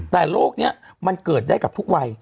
แต่โรคนี้มันเกิดได้กับทุกวัย